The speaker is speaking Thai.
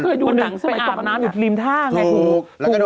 เคยดูหนังสมัยกรอบมันเตาะน้ำกับรีมท่าไง